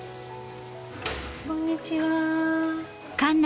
こんにちは。